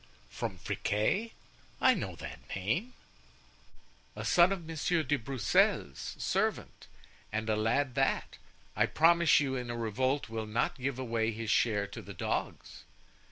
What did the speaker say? "From Friquet? I know that name——" "A son of Monsieur de Broussel's servant, and a lad that, I promise you, in a revolt will not give away his share to the dogs."